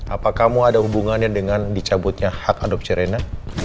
apa kamu ada hubungannya dengan dicabutnya hak adopsi reina